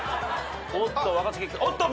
おっと！